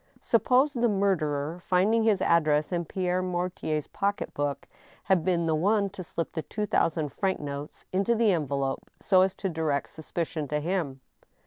Suppose the murderer, finding his address in Pierre Mortier's pocket book, had been the one to slip the two thousand franc notes into the envelope so as to direct suspicion to him